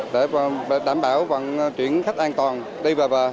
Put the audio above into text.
để đảm bảo chuyển khách an toàn đi về